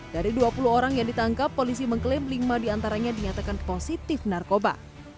dari dua puluh orang yang ditangkap polisi mengklaim lima diantaranya dinyatakan positif narkoba